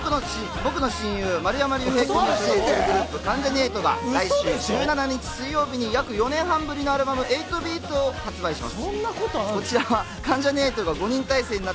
僕の親友、丸山隆平君が所属するグループ、関ジャニ∞が来週１７日水曜日におよそ４年半ぶりのアルバム、『８ＢＥＡＴ』を発売します。